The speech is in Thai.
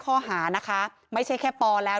ข้อหาน้ำนะคะไม่ใช่แค่พลาดแล้ว